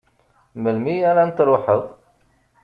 Melmi ara n-truḥeḍ?